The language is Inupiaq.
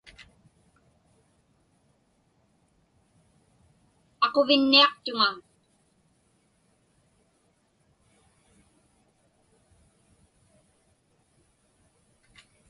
Aquvinniaqtuŋa.